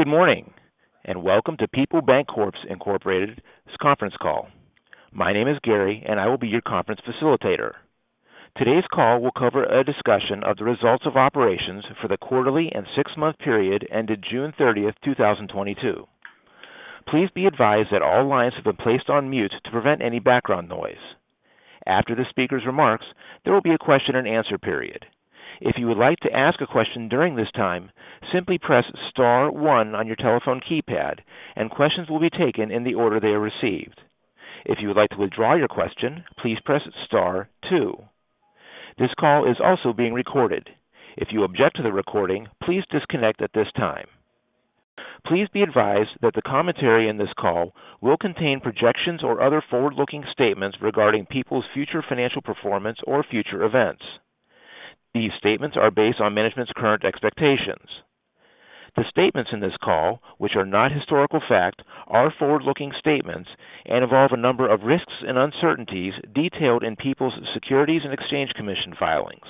Good morning, and welcome to Peoples Bancorp Inc. Conference Call. My name is Gary, and I will be your conference facilitator. Today's call will cover a discussion of the results of operations for the quarterly and six-month period ended June 30th, 2022. Please be advised that all lines have been placed on mute to prevent any background noise. After the speaker's remarks, there will be a question-and-answer period. If you would like to ask a question during this time, simply press star one on your telephone keypad, and questions will be taken in the order they are received. If you would like to withdraw your question, please press star two. This call is also being recorded. If you object to the recording, please disconnect at this time. Please be advised that the commentary in this call will contain projections or other forward-looking statements regarding Peoples' future financial performance or future events. These statements are based on management's current expectations. The statements in this call, which are not historical fact, are forward-looking statements and involve a number of risks and uncertainties detailed in Peoples' Securities and Exchange Commission filings.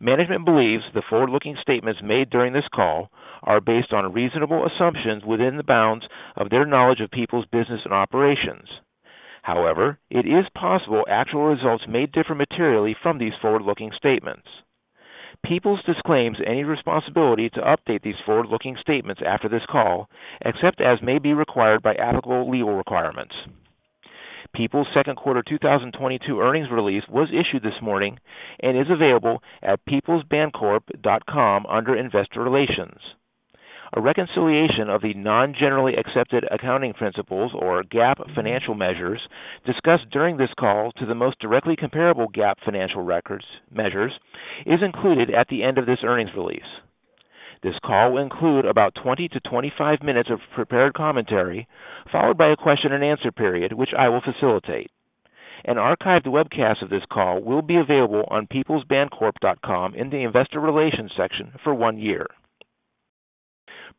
Management believes the forward-looking statements made during this call are based on reasonable assumptions within the bounds of their knowledge of Peoples' business and operations. However, it is possible actual results may differ materially from these forward-looking statements. Peoples disclaims any responsibility to update these forward-looking statements after this call, except as may be required by applicable legal requirements. Peoples' second quarter 2022 earnings release was issued this morning and is available at peoplesbancorp.com under Investor Relations. A reconciliation of the non-generally accepted accounting principles or GAAP financial measures discussed during this call to the most directly comparable GAAP financial measures is included at the end of this earnings release. This call will include about 20-25 minutes of prepared commentary, followed by a question-and-answer period, which I will facilitate. An archived webcast of this call will be available on peoplesbancorp.com in the Investor Relations section for one year.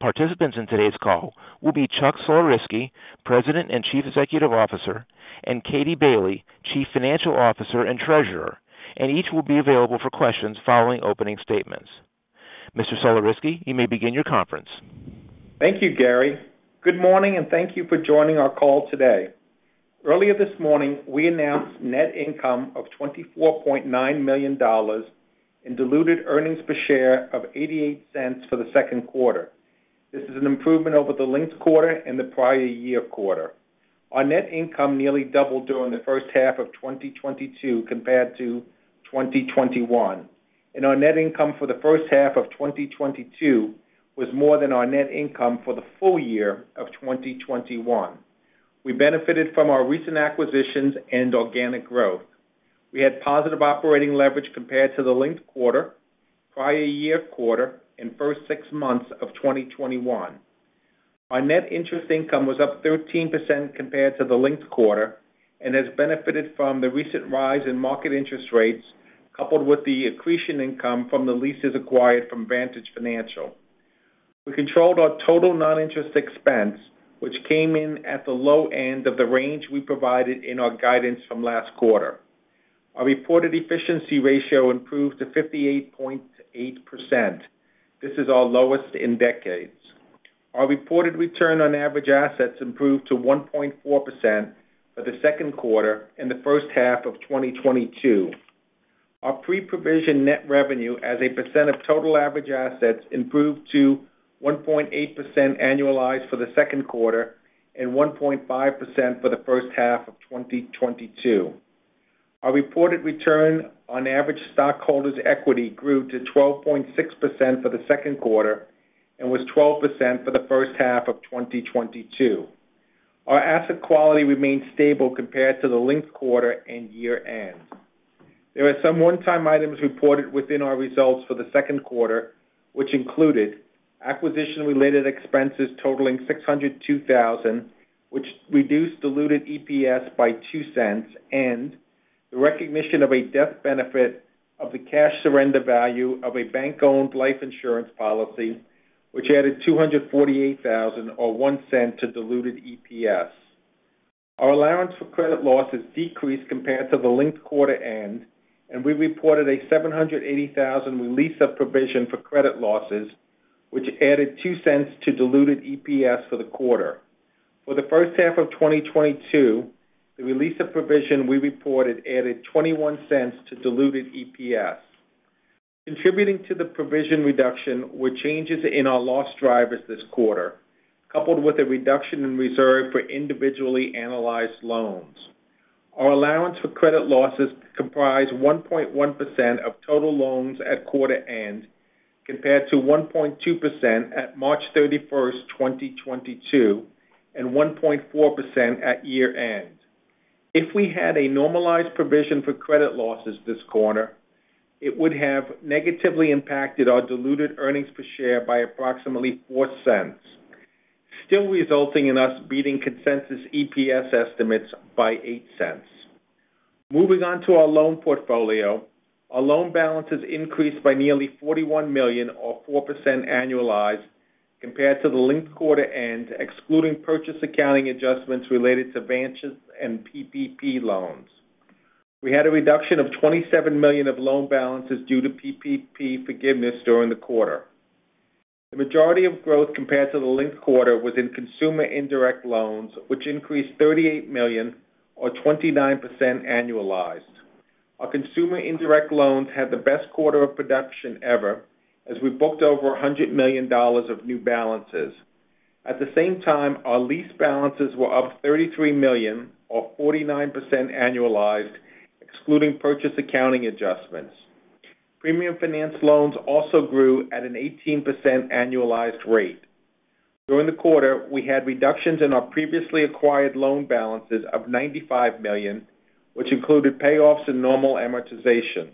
Participants in today's call will be Chuck Sulerzyski, President and Chief Executive Officer, and Katie Bailey, Chief Financial Officer and Treasurer, and each will be available for questions following opening statements. Mr. Sulerzyski, you may begin your conference. Thank you, Gary. Good morning, and thank you for joining our call today. Earlier this morning, we announced net income of $24.9 million and diluted earnings per share of $0.88 for the second quarter. This is an improvement over the linked quarter and the prior year quarter. Our net income nearly doubled during the first half of 2022 compared to 2021, and our net income for the first half of 2022 was more than our net income for the full year of 2021. We benefited from our recent acquisitions and organic growth. We had positive operating leverage compared to the linked quarter, prior year quarter, and first six months of 2021. Our net interest income was up 13% compared to the linked quarter and has benefited from the recent rise in market interest rates, coupled with the accretion income from the leases acquired from Vantage Financial. We controlled our total non-interest expense, which came in at the low end of the range we provided in our guidance from last quarter. Our reported efficiency ratio improved to 58.8%. This is our lowest in decades. Our reported return on average assets improved to 1.4% for the second quarter and the first half of 2022. Our pre-provision net revenue as a percent of total average assets improved to 1.8% annualized for the second quarter and 1.5% for the first half of 2022. Our reported return on average stockholders' equity grew to 12.6% for the second quarter and was 12% for the first half of 2022. Our asset quality remained stable compared to the linked quarter and year-end. There were some one-time items reported within our results for the second quarter, which included acquisition-related expenses totaling $602,000, which reduced diluted EPS by $0.02, and the recognition of a death benefit of the cash surrender value of a bank-owned life insurance policy, which added $248,000 or $0.01 to diluted EPS. Our allowance for credit losses decreased compared to the linked quarter end, and we reported a $780,000 release of provision for credit losses, which added $0.02 to diluted EPS for the quarter. For the first half of 2022, the release of provision we reported added $0.21 to diluted EPS. Contributing to the provision reduction were changes in our loss drivers this quarter, coupled with a reduction in reserve for individually analyzed loans. Our allowance for credit losses comprise 1.1% of total loans at quarter end, compared to 1.2% at March 31st, 2022 and 1.4% at year-end. If we had a normalized provision for credit losses this quarter, it would have negatively impacted our diluted earnings per share by approximately $0.04, still resulting in us beating consensus EPS estimates by $0.08. Moving on to our loan portfolio. Our loan balances increased by nearly $41 million or 4% annualized compared to the linked quarter end, excluding purchase accounting adjustments related to branches and PPP loans. We had a reduction of $27 million of loan balances due to PPP forgiveness during the quarter. The majority of growth compared to the linked quarter was in consumer indirect loans, which increased $38 million or 29% annualized. Our consumer indirect loans had the best quarter of production ever as we booked over $100 million of new balances. At the same time, our lease balances were up $33 million or 49% annualized, excluding purchase accounting adjustments. Premium finance loans also grew at an 18% annualized rate. During the quarter, we had reductions in our previously acquired loan balances of $95 million, which included payoffs and normal amortization.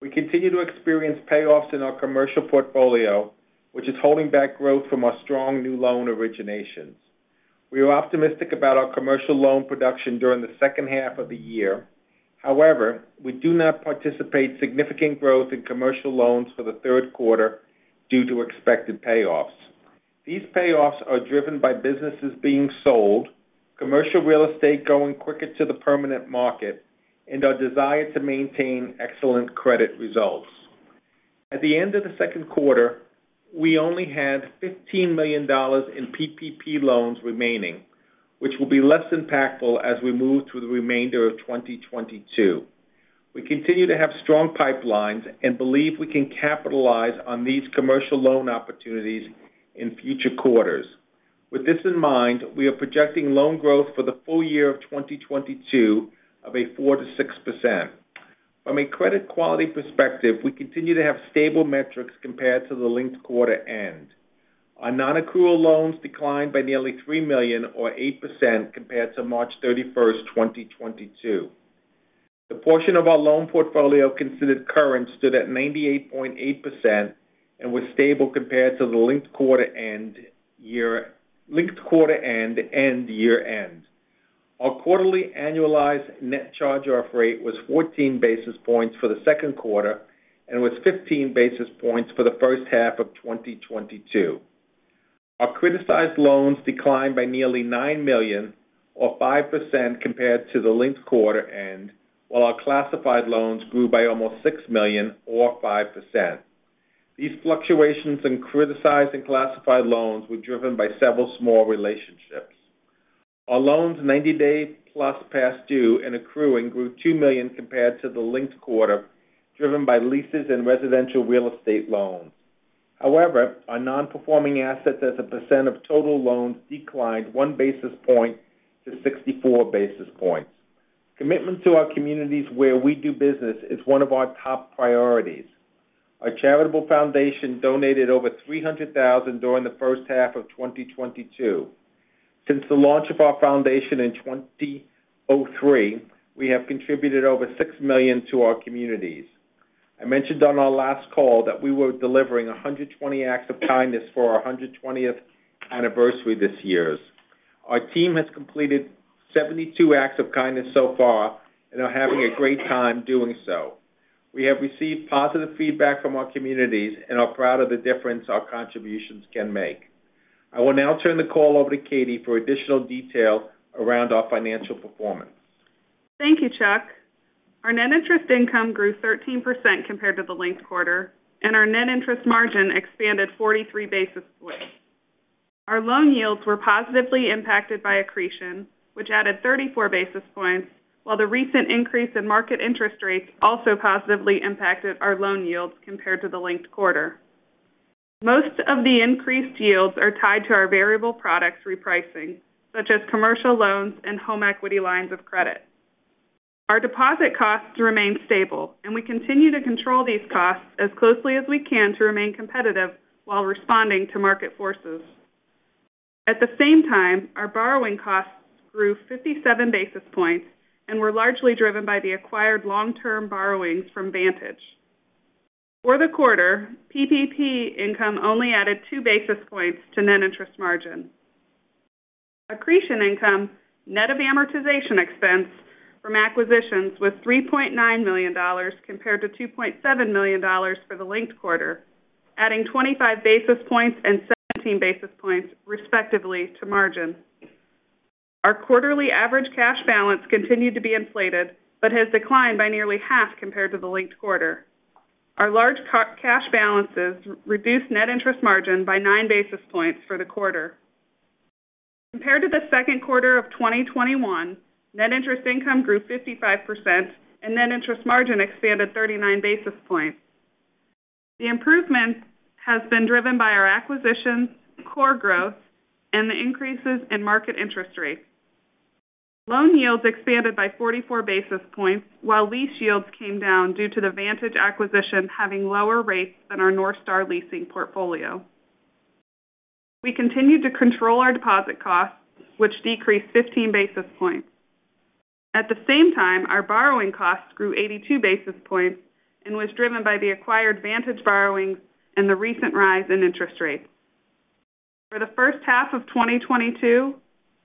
We continue to experience payoffs in our commercial portfolio, which is holding back growth from our strong new loan originations. We are optimistic about our commercial loan production during the second half of the year. However, we do not anticipate significant growth in commercial loans for the third quarter due to expected payoffs. These payoffs are driven by businesses being sold, commercial real estate going quicker to the permanent market, and our desire to maintain excellent credit results. At the end of the second quarter, we only had $15 million in PPP loans remaining, which will be less impactful as we move through the remainder of 2022. We continue to have strong pipelines and believe we can capitalize on these commercial loan opportunities in future quarters. With this in mind, we are projecting loan growth for the full year of 2022 of 4%-6%. From a credit quality perspective, we continue to have stable metrics compared to the linked quarter end. Our non-accrual loans declined by nearly $3 million or 8% compared to March 31st, 2022. The portion of our loan portfolio considered current stood at 98.8% and was stable compared to the linked quarter end and year end. Our quarterly annualized net charge-off rate was 14 basis points for the second quarter and was 15 basis points for the first half of 2022. Our criticized loans declined by nearly $9 million or 5% compared to the linked quarter end, while our classified loans grew by almost $6 million or 5%. These fluctuations in criticized and classified loans were driven by several small relationships. Our loans 90-day plus past due and accruing grew $2 million compared to the linked quarter, driven by leases and residential real estate loans. However, our non-performing assets as a % of total loans declined 1 basis point to 64 basis points. Commitment to our communities where we do business is one of our top priorities. Our charitable foundation donated over $300,000 during the first half of 2022. Since the launch of our foundation in 2003, we have contributed over $6 million to our communities. I mentioned on our last call that we were delivering 120 acts of kindness for our 120th anniversary this year. Our team has completed 72 acts of kindness so far and are having a great time doing so. We have received positive feedback from our communities and are proud of the difference our contributions can make. I will now turn the call over to Katie for additional detail around our financial performance. Thank you, Chuck. Our net interest income grew 13% compared to the linked quarter, and our net interest margin expanded 43 basis points. Our loan yields were positively impacted by accretion, which added 34 basis points while the recent increase in market interest rates also positively impacted our loan yields compared to the linked quarter. Most of the increased yields are tied to our variable products repricing, such as commercial loans and home equity lines of credit. Our deposit costs remain stable, and we continue to control these costs as closely as we can to remain competitive while responding to market forces. At the same time, our borrowing costs grew 57 basis points and were largely driven by the acquired long-term borrowings from Vantage. For the quarter, PPP income only added 2 basis points to net interest margin. Accretion income, net of amortization expense from acquisitions, was $3.9 million compared to $2.7 million for the linked quarter, adding 25 basis points and 17 basis points, respectively, to margin. Our quarterly average cash balance continued to be inflated, but has declined by nearly half compared to the linked quarter. Our large cash balances reduced net interest margin by 9 basis points for the quarter. Compared to the second quarter of 2021, net interest income grew 55% and net interest margin expanded 39 basis points. The improvement has been driven by our acquisitions, core growth, and the increases in market interest rates. Loan yields expanded by 44 basis points while lease yields came down due to the Vantage acquisition having lower rates than our North Star Leasing portfolio. We continued to control our deposit costs, which decreased 15 basis points. At the same time, our borrowing costs grew 82 basis points and was driven by the acquired Vantage borrowings and the recent rise in interest rates. For the first half of 2022,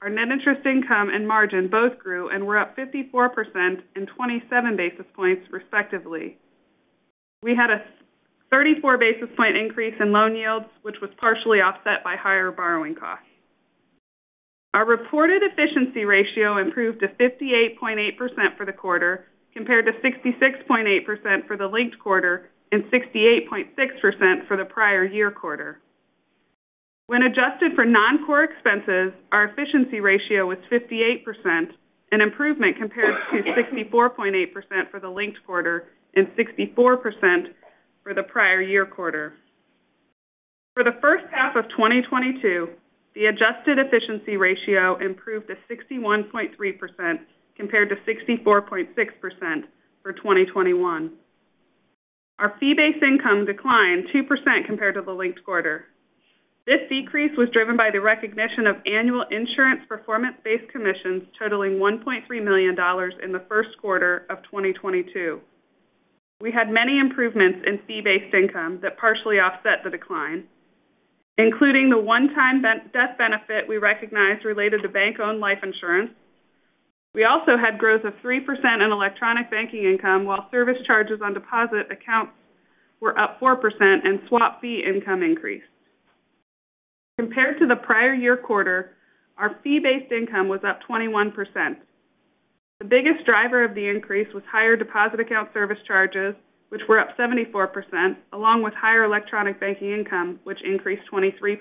our net interest income and margin both grew and were up 54% and 27 basis points, respectively. We had a thirty-four basis point increase in loan yields, which was partially offset by higher borrowing costs. Our reported efficiency ratio improved to 58.8% for the quarter, compared to 66.8% for the linked quarter and 68.6% for the prior year quarter. When adjusted for non-core expenses, our efficiency ratio was 58%, an improvement compared to 64.8% for the linked quarter and 64% for the prior year quarter. For the first half of 2022, the adjusted efficiency ratio improved to 61.3% compared to 64.6% for 2021. Our fee-based income declined 2% compared to the linked quarter. This decrease was driven by the recognition of annual insurance performance-based commissions totaling $1.3 million in the first quarter of 2022. We had many improvements in fee-based income that partially offset the decline, including the one-time [BOLI] death benefit we recognized related to bank-owned life insurance. We also had growth of 3% in electronic banking income while service charges on deposit accounts were up 4% and swap fee income increased. Compared to the prior year quarter, our fee-based income was up 21%. The biggest driver of the increase was higher deposit account service charges, which were up 74%, along with higher electronic banking income, which increased 23%.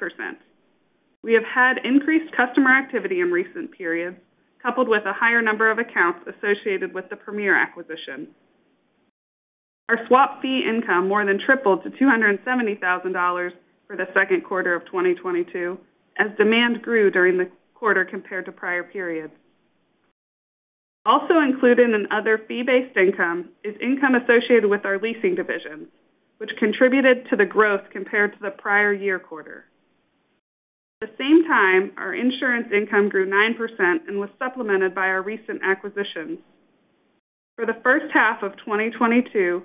We have had increased customer activity in recent periods, coupled with a higher number of accounts associated with the Premier acquisition. Our swap fee income more than tripled to $270 thousand for the second quarter of 2022 as demand grew during the quarter compared to prior periods. Also included in other fee-based income is income associated with our leasing division, which contributed to the growth compared to the prior year quarter. At the same time, our insurance income grew 9% and was supplemented by our recent acquisitions. For the first half of 2022,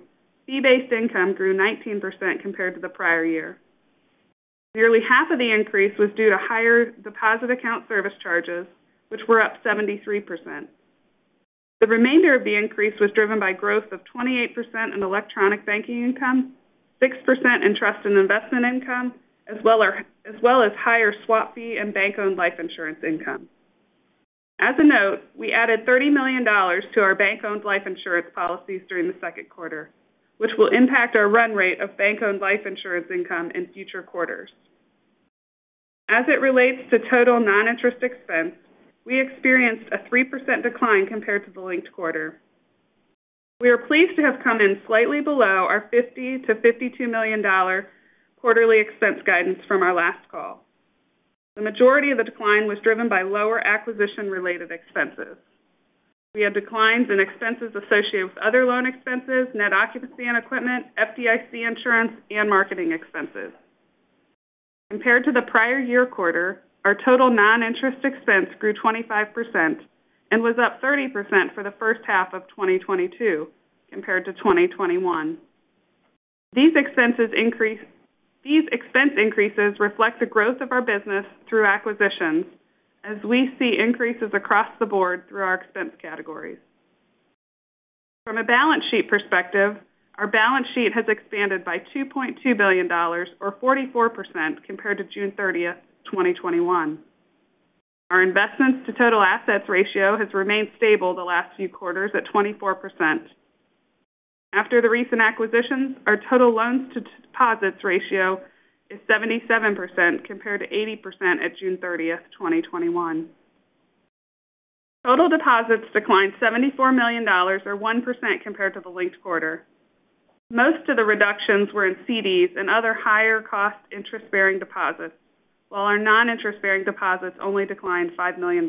fee-based income grew 19% compared to the prior year. Nearly half of the increase was due to higher deposit account service charges, which were up 73%. The remainder of the increase was driven by growth of 28% in electronic banking income, 6% in trust and investment income, as well as higher swap fee and bank-owned life insurance income. As a note, we added $30 million to our bank-owned life insurance policies during the second quarter, which will impact our run rate of bank-owned life insurance income in future quarters. As it relates to total non-interest expense, we experienced a 3% decline compared to the linked quarter. We are pleased to have come in slightly below our $50-$52 million quarterly expense guidance from our last call. The majority of the decline was driven by lower acquisition-related expenses. We had declines in expenses associated with other loan expenses, net occupancy and equipment, FDIC insurance, and marketing expenses. Compared to the prior year quarter, our total non-interest expense grew 25% and was up 30% for the first half of 2022 compared to 2021. These expense increases reflect the growth of our business through acquisitions as we see increases across the board through our expense categories. From a balance sheet perspective, our balance sheet has expanded by $2.2 billion or 44% compared to June 30, 2021. Our investments to total assets ratio has remained stable the last few quarters at 24%. After the recent acquisitions, our total loans to deposits ratio is 77% compared to 80% at June 30, 2021. Total deposits declined $74 million or 1% compared to the linked quarter. Most of the reductions were in CDs and other higher cost interest-bearing deposits, while our non-interest-bearing deposits only declined $5 million.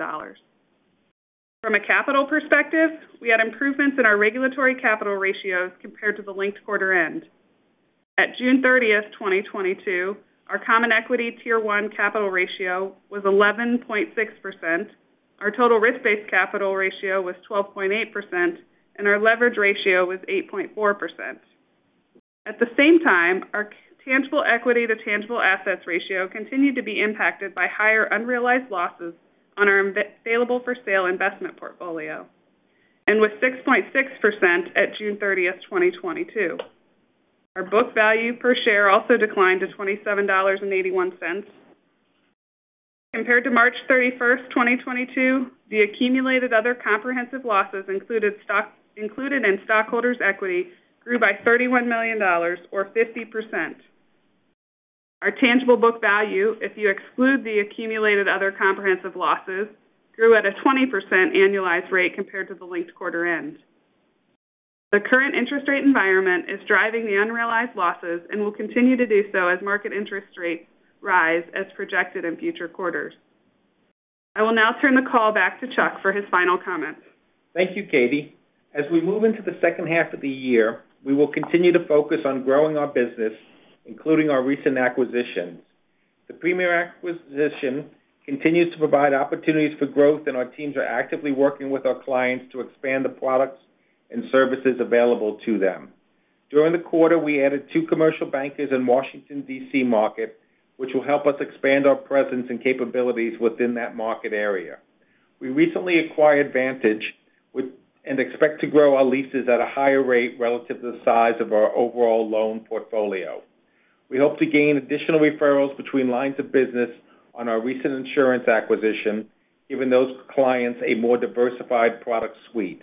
From a capital perspective, we had improvements in our regulatory capital ratios compared to the linked quarter end. At June 30th, 2022, our Common Equity Tier 1 capital ratio was 11.6%, our Total Risk-Based Capital Ratio was 12.8%, and our Leverage Ratio was 8.4%. At the same time, our Tangible Equity to Tangible Assets Ratio continued to be impacted by higher unrealized losses on our available for sale investment portfolio and was 6.6% at June 30th, 2022. Our book value per share also declined to $27.81. Compared to March 31st, 2022, the Accumulated Other Comprehensive Losses included in stockholders' equity grew by $31 million or 50%. Our tangible book value, if you exclude the Accumulated Other Comprehensive Losses, grew at a 20% annualized rate compared to the linked quarter end. The current interest rate environment is driving the unrealized losses and will continue to do so as market interest rates rise as projected in future quarters. I will now turn the call back to Chuck for his final comments. Thank you, Katie. As we move into the second half of the year, we will continue to focus on growing our business, including our recent acquisitions. The Premier acquisition continues to provide opportunities for growth, and our teams are actively working with our clients to expand the products and services available to them. During the quarter, we added two commercial bankers in Washington, D.C. market, which will help us expand our presence and capabilities within that market area. We recently acquired Vantage Financial and expect to grow our leases at a higher rate relative to the size of our overall loan portfolio. We hope to gain additional referrals between lines of business on our recent insurance acquisition, giving those clients a more diversified product suite.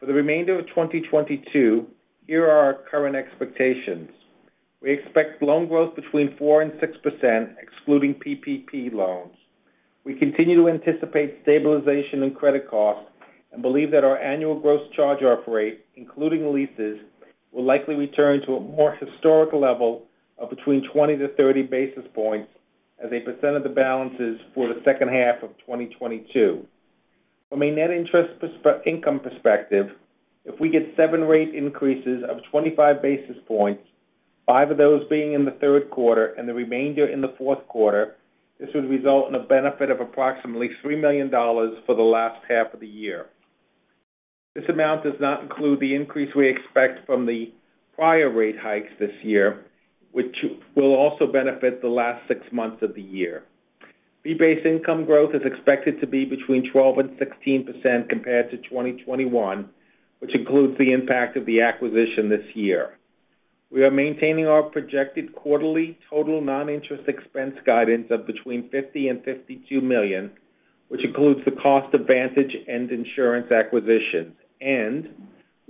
For the remainder of 2022, here are our current expectations. We expect loan growth between 4% and 6% excluding PPP loans. We continue to anticipate stabilization and credit costs and believe that our annual gross charge off rate, including leases, will likely return to a more historical level of between 20-30 basis points as a percent of the balances for the second half of 2022. From a net interest income perspective, if we get 7 rate increases of 25 basis points, 5 of those being in the third quarter and the remainder in the fourth quarter, this would result in a benefit of approximately $3 million for the last half of the year. This amount does not include the increase we expect from the prior rate hikes this year, which will also benefit the last six months of the year. Fee-based income growth is expected to be between 12% and 16% compared to 2021, which includes the impact of the acquisition this year. We are maintaining our projected quarterly total non-interest expense guidance of between $50 million and $52 million, which includes the cost of Vantage and insurance acquisitions. We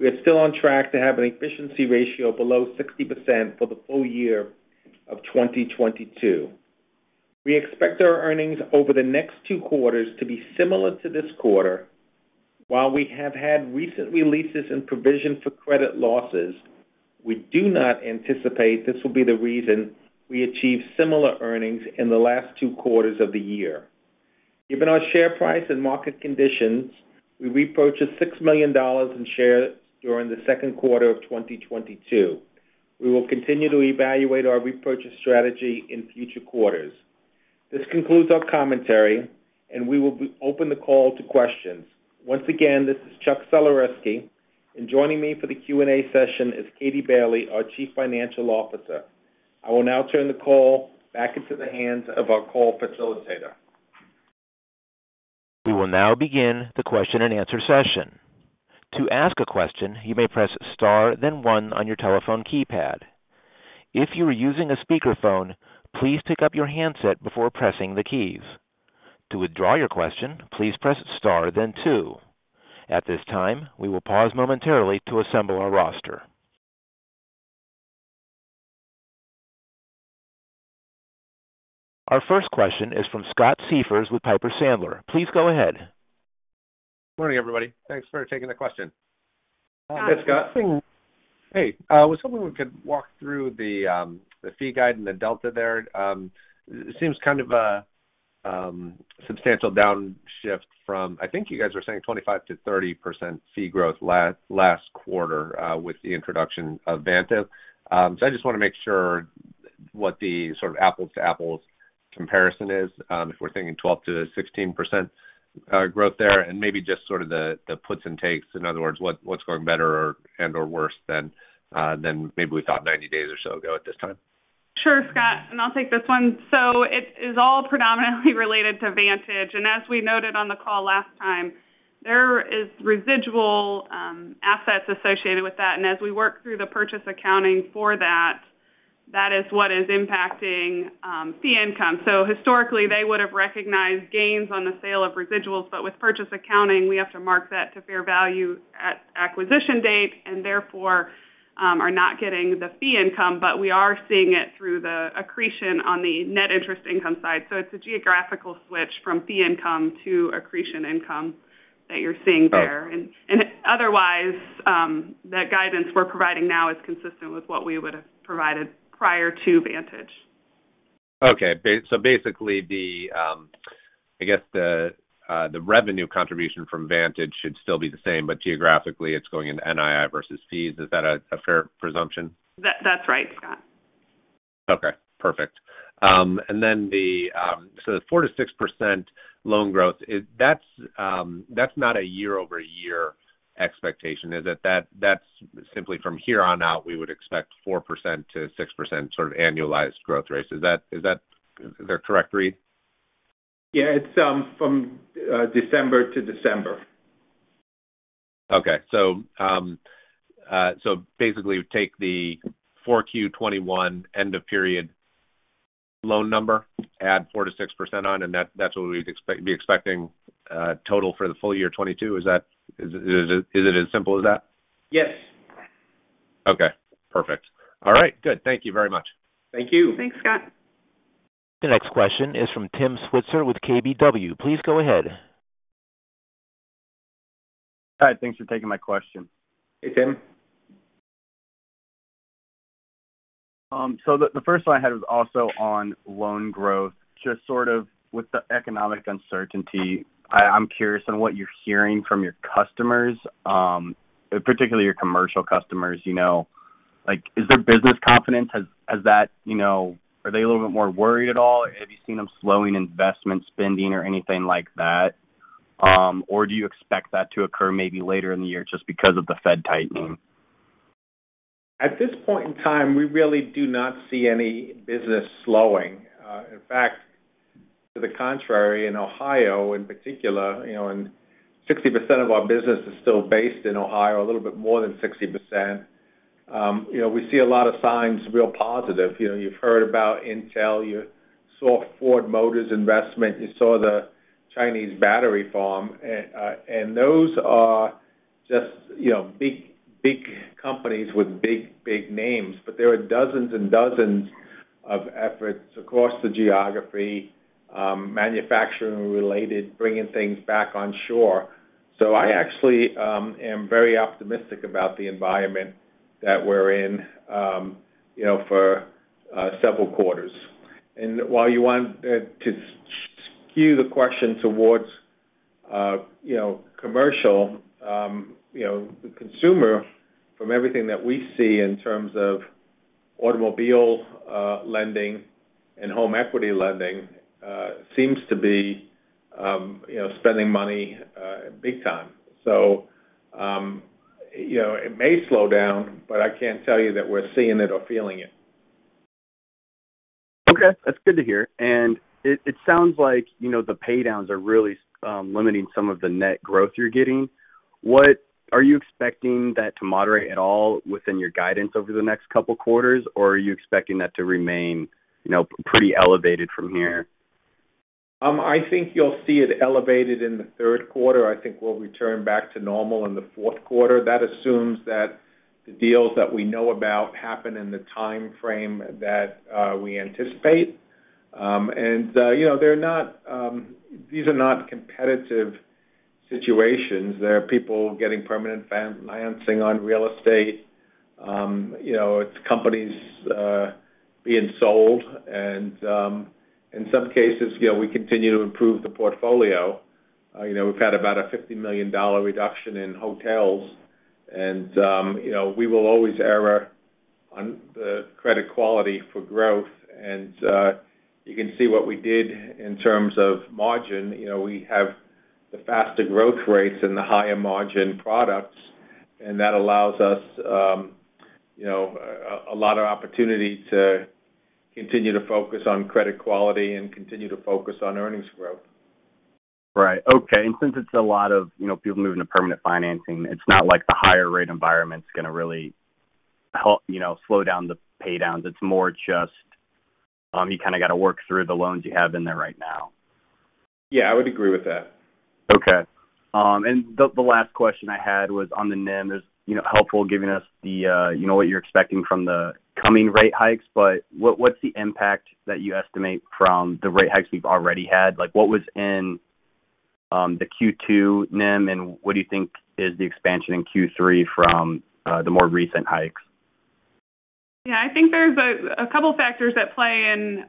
are still on track to have an efficiency ratio below 60% for the full year of 2022. We expect our earnings over the next two quarters to be similar to this quarter. While we have had recent releases in provision for credit losses, we do not anticipate this will be the reason we achieve similar earnings in the last two quarters of the year. Given our share price and market conditions, we repurchased $6 million in shares during the second quarter of 2022. We will continue to evaluate our repurchase strategy in future quarters. This concludes our commentary, and we will open the call to questions. Once again, this is Chuck Sulerzyski, and joining me for the Q&A session is Katie Bailey, our Chief Financial Officer. I will now turn the call back into the hands of our call facilitator. We will now begin the question-and-answer session. To ask a question, you may press star then one on your telephone keypad. If you are using a speakerphone, please pick up your handset before pressing the keys. To withdraw your question, please press star then two. At this time, we will pause momentarily to assemble our roster. Our first question is from Scott Siefers with Piper Sandler. Please go ahead. Morning, everybody. Thanks for taking the question. Hi, Scott. Hey, I was hoping we could walk through the fee guide and the delta there. It seems kind of a substantial downshift from, I think you guys were saying 25%-30% fee growth last quarter with the introduction of Vantage. I just wanna make sure what the sort of apples to apples comparison is if we're thinking 12%-16% growth there and maybe just sort of the puts and takes. In other words, what's going better or and/or worse than maybe we thought 90 days or so ago at this time? Sure, Scott. I'll take this one. It is all predominantly related to Vantage. As we noted on the call last time, there is residual assets associated with that. As we work through the purchase accounting for that is what is impacting fee income. Historically, they would have recognized gains on the sale of residuals, but with purchase accounting, we have to mark that to fair value at acquisition date and therefore are not getting the fee income, but we are seeing it through the accretion on the net interest income side. It's a geographical switch from fee income to accretion income that you're seeing there. Okay. Otherwise, the guidance we're providing now is consistent with what we would have provided prior to Vantage. Okay. Basically, I guess, the revenue contribution from Vantage should still be the same, but geographically it's going into NII versus fees. Is that a fair presumption? That's right, Scott. Okay, perfect. The 4%-6% loan growth that's not a year-over-year expectation, is it? That's simply from here on out, we would expect 4%-6% sort of annualized growth rates. Is that the correct read? Yeah, it's from December to December. Basically take the 4Q 2021 end of period loan number, add 4%-6% on, and that's what we'd expect, total for the full year 2022. Is it as simple as that? Yes. Okay, perfect. All right, good. Thank you very much. Thank you. Thanks, Scott. The next question is from Tim Switzer with KBW. Please go ahead. Hi, thanks for taking my question. Hey, Tim. The first one I had was also on loan growth. Just sort of with the economic uncertainty, I'm curious on what you're hearing from your customers, particularly your commercial customers. You know, like, is their business confidence, has that, you know, are they a little bit more worried at all? Have you seen them slowing investment spending or anything like that? Do you expect that to occur maybe later in the year just because of the Fed tightening? At this point in time, we really do not see any business slowing. In fact, to the contrary, in Ohio in particular, you know, and 60% of our business is still based in Ohio, a little bit more than 60%. You know, we see a lot of signs, real positive. You know, you've heard about Intel, you saw Ford Motor Company investment, you saw the Chinese battery farm. Those are just, you know, big, big companies with big, big names. There are dozens and dozens of efforts across the geography, manufacturing-related, bringing things back on shore. I actually am very optimistic about the environment that we're in, you know, for several quarters. While you want to skew the question towards, you know, commercial, you know, the consumer from everything that we see in terms of automobile lending and home equity lending seems to be, you know, spending money big time. You know, it may slow down, but I can't tell you that we're seeing it or feeling it. Okay, that's good to hear. It sounds like, you know, the pay downs are really limiting some of the net growth you're getting. What are you expecting that to moderate at all within your guidance over the next couple quarters, or are you expecting that to remain, you know, pretty elevated from here? I think you'll see it elevated in the third quarter. I think we'll return back to normal in the fourth quarter. That assumes that the deals that we know about happen in the timeframe that we anticipate. You know, these are not competitive situations. There are people getting permanent financing on real estate. You know, it's companies being sold and in some cases, you know, we continue to improve the portfolio. You know, we've had about a $50 million reduction in hotels and you know, we will always err on the credit quality for growth. You can see what we did in terms of margin. You know, we have the faster growth rates and the higher margin products, and that allows us, you know, a lot of opportunity to continue to focus on credit quality and continue to focus on earnings growth. Right. Okay. Since it's a lot of, you know, people moving to permanent financing, it's not like the higher rate environment is gonna really help, you know, slow down the pay downs. It's more just, you kind of got to work through the loans you have in there right now? Yeah, I would agree with that. Okay. The last question I had was on the NIM. It's you know, helpful giving us the you know, what you're expecting from the coming rate hikes, but what's the impact that you estimate from the rate hikes we've already had? Like, what was in the Q2 NIM, and what do you think is the expansion in Q3 from the more recent hikes? Yeah, I think there's a couple factors at play in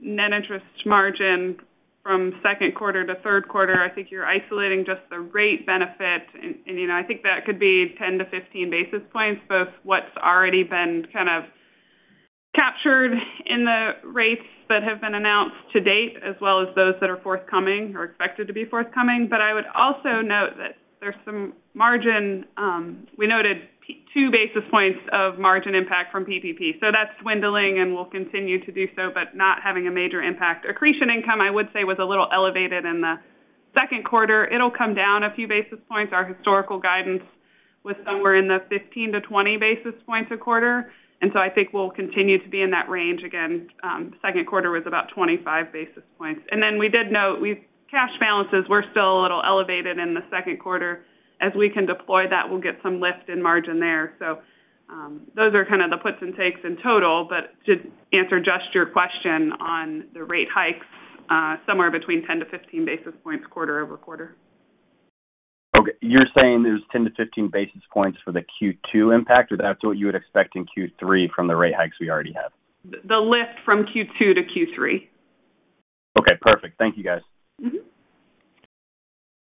net interest margin from second quarter to third quarter. I think you're isolating just the rate benefit. You know, I think that could be 10-15 basis points, both what's already been kind of captured in the rates that have been announced to date, as well as those that are forthcoming or expected to be forthcoming. I would also note that there's some margin, we noted 2 basis points of margin impact from PPP. That's dwindling and will continue to do so, but not having a major impact. Accretion income, I would say, was a little elevated in the second quarter. It'll come down a few basis points. Our historical guidance was somewhere in the 15-20 basis points a quarter, and so I think we'll continue to be in that range. Again, second quarter was about 25 basis points. We did note, cash balances were still a little elevated in the second quarter. As we can deploy that, we'll get some lift in margin there. Those are kind of the puts and takes in total. To answer just your question on the rate hikes, somewhere between 10-15 basis points quarter-over-quarter. Okay. You're saying there's 10-15 basis points for the Q2 impact, or that's what you would expect in Q3 from the rate hikes we already have? The lift from Q2-Q3. Okay, perfect. Thank you, guys. Mm-hmm.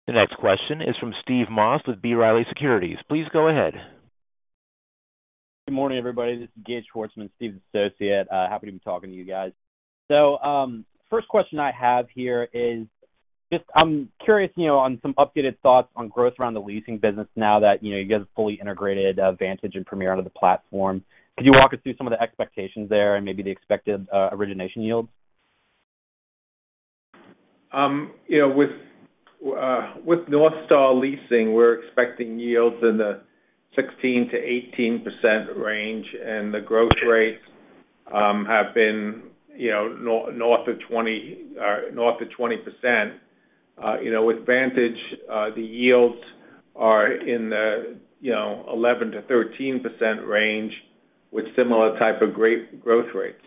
The next question is from Steve Moss with B. Riley Securities. Please go ahead. Good morning, everybody. This is Gage Sczuroski, Steve's associate. Happy to be talking to you guys. First question I have here is just I'm curious, you know, on some updated thoughts on growth around the leasing business now that, you know, you guys have fully integrated Vantage and Premier under the platform. Could you walk us through some of the expectations there and maybe the expected origination yields? You know, with North Star Leasing, we're expecting yields in the 16%-18% range, and the growth rates have been, you know, north to 20%. You know, with Vantage Financial, the yields are in the 11%-13% range with similar type of great growth rates.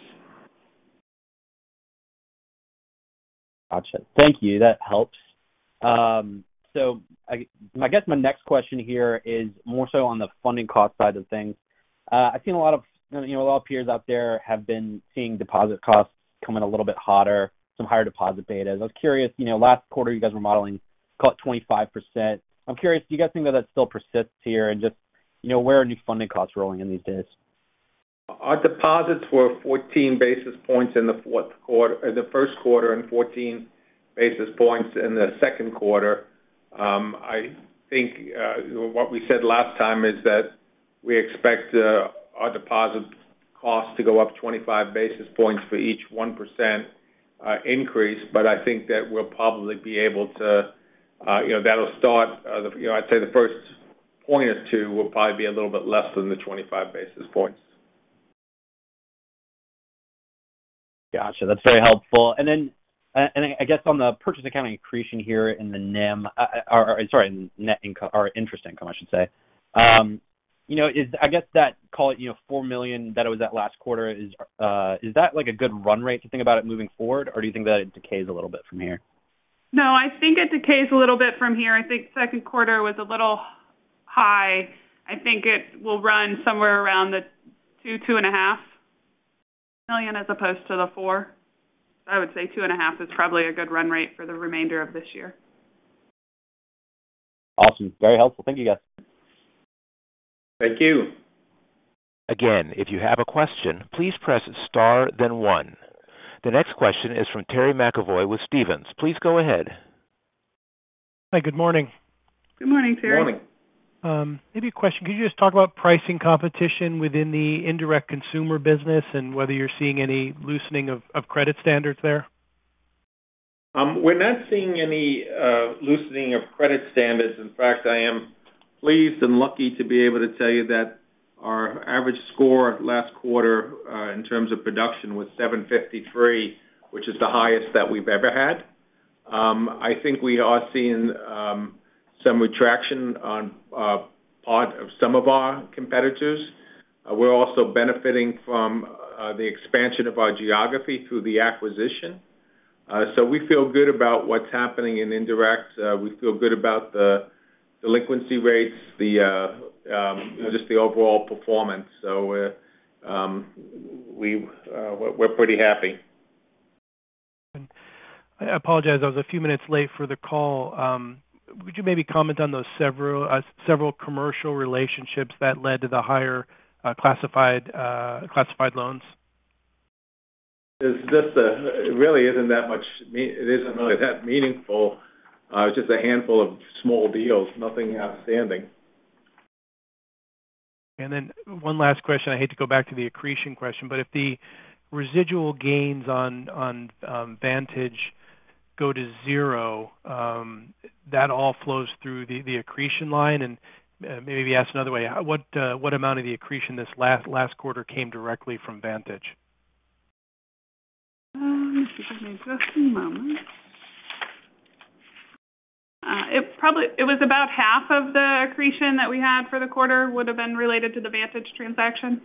Gotcha. Thank you. That helps. So I guess my next question here is more so on the funding cost side of things. I've seen a lot of, you know, a lot of peers out there have been seeing deposit costs coming a little bit hotter, some higher deposit betas. I was curious, you know, last quarter you guys were modeling, call it, 25%. I'm curious, do you guys think that that still persists here? Just, you know, where are new funding costs rolling in these days? Our deposits were 14 basis points in the first quarter and 14 basis points in the second quarter. I think what we said last time is that we expect our deposit cost to go up 25 basis points for each 1% increase. I think that we'll probably be able to, you know, that'll start, you know, I'd say the first point or two will probably be a little bit less than the 25 basis points. Gotcha. That's very helpful. I guess on the purchase accounting accretion here in the NIM or, sorry, net income or interest income, I should say, you know, is I guess that, call it, you know, $4 million that it was at last quarter. Is that like a good run rate to think about it moving forward, or do you think that it decays a little bit from here? No, I think it decays a little bit from here. I think second quarter was a little high. I think it will run somewhere around the $2-$2.5 million as opposed to the $4 million. I would say 2.5 is probably a good run rate for the remainder of this year. Awesome. Very helpful. Thank you, guys. Thank you. Again, if you have a question, please press star then one. The next question is from Terry McEvoy with Stephens. Please go ahead. Hi. Good morning. Good morning, Terry. Morning. Maybe a question. Could you just talk about pricing competition within the indirect consumer business and whether you're seeing any loosening of credit standards there? We're not seeing any loosening of credit standards. In fact, I am pleased and lucky to be able to tell you that our average score last quarter in terms of production was 753, which is the highest that we've ever had. I think we are seeing some retraction on some of our competitors. We're also benefiting from the expansion of our geography through the acquisition. We feel good about what's happening in indirect. We feel good about the delinquency rates, just the overall performance. We're pretty happy. I apologize. I was a few minutes late for the call. Would you maybe comment on those several commercial relationships that led to the higher classified loans? It's just that it really isn't that meaningful. It's just a handful of small deals. Nothing outstanding. One last question. I hate to go back to the accretion question, but if the residual gains on Vantage go to zero, that all flows through the accretion line. Maybe ask another way: what amount of the accretion this last quarter came directly from Vantage? Just a moment. It was about half of the accretion that we had for the quarter would have been related to the Vantage transaction.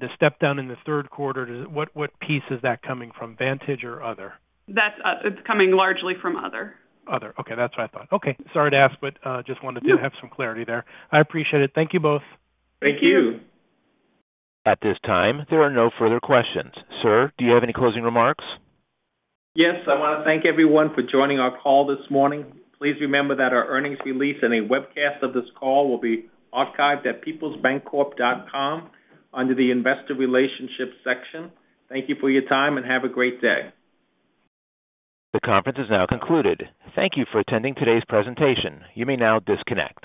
The step-down in the third quarter, what piece is that coming from? Vantage or other? It's coming largely from other. Other. Okay. That's what I thought. Okay. Sorry to ask, but just wanted to have some clarity there. I appreciate it. Thank you both. Thank you. Thank you. At this time, there are no further questions. Sir, do you have any closing remarks? Yes, I wanna thank everyone for joining our call this morning. Please remember that our earnings release and a webcast of this call will be archived at peoplesbancorp.com under the Investor Relations section. Thank you for your time and have a great day. The conference is now concluded. Thank you for attending today's presentation. You may now disconnect.